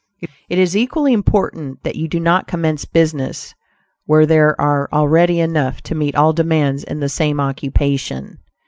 It is equally important that you do not commence business where there are already enough to meet all demands in the same occupation.